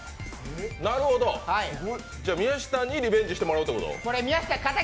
なるほど、じゃ、宮下にリベンジしてもらうってこと？